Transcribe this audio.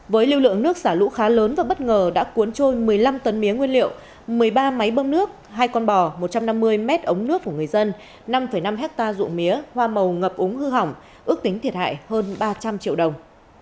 với lưu lượng nước xả lũ khá lớn và bất ngờ đã cuốn trôi một mươi năm tấn mía nguyên liệu một mươi ba máy bơm nước hai con bò một trăm năm mươi mét ống nước của người dân năm năm hectare ruộng mía hoa màu ngập úng hư hỏng ước tính thiệt hại hơn ba trăm linh triệu đồng